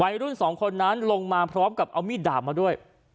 รุ่นสองคนนั้นลงมาพร้อมกับเอามีดดาบมาด้วย